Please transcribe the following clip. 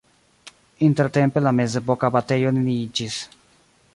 Intertempe la mezepoka abatejo neniiĝis.